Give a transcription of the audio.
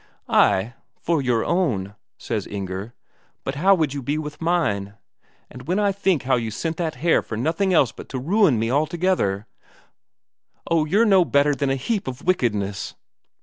"Ay, for your own," says Inger. "But how would you be with mine? And when I think how you sent that hare for nothing else but to ruin me altogether oh, you're no better than a heap of wickedness!"